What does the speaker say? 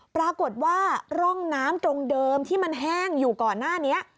ปรากฏว่าร่องน้ำตรงเดิมที่มันแห้งอยู่ก่อนหน้านี้